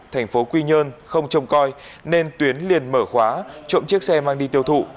thành phố quy nhơn không trông coi nên tuyến liền mở khóa trộm chiếc xe mang đi tiêu thụ